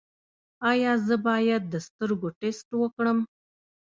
ایا زه باید د سترګو ټسټ وکړم؟